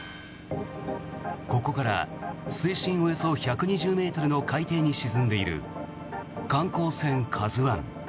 ここから水深およそ１２０ｍの海底に沈んでいる観光船「ＫＡＺＵ１」。